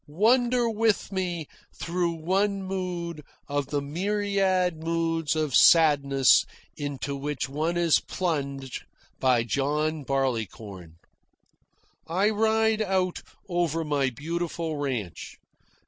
Wander with me through one mood of the myriad moods of sadness into which one is plunged by John Barleycorn. I ride out over my beautiful ranch.